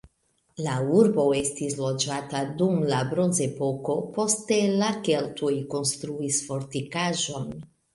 La urbo estis loĝata dum la bronzepoko, poste la keltoj konstruis fortikaĵon.